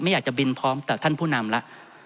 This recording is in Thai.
ไม่อยากจะบินพร้อมแต่ท่านผู้นำล่ะ